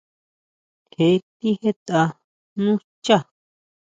Je tijetʼa nú xchá.